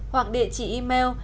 hoặc địa chỉ email